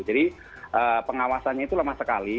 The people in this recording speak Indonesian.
jadi pengawasannya itu lemah sekali